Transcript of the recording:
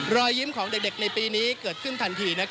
รอยยิ้มของเด็กในปีนี้เกิดขึ้นทันที